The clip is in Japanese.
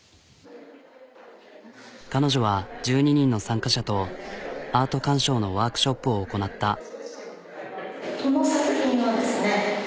彼女は１２人の参加者とアート鑑賞のワークショップを行なった。